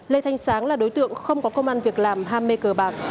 lê thanh sáng là đối tượng không có công an việc làm ham mê cờ bạc